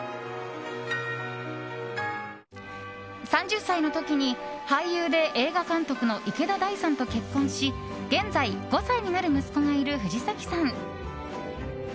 ３０歳の時に俳優で映画監督の池田大さんと結婚し現在５歳になる息子がいる藤崎さん。